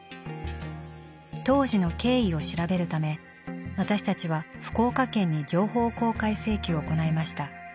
当時の経緯を調べるため私たちは福岡県に情報公開請求を行いました。